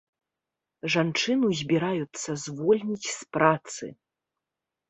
Жанчыну збіраюцца звольніць з працы.